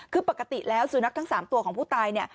คือปกติแล้วสุนัขทั้ง๓ตัวของผู้ตายเนี่ย